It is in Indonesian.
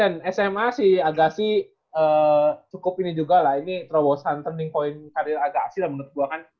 nah ini chen sma si agassi cukup ini juga lah ini terowosan turning point karir agassi lah menurut gue kan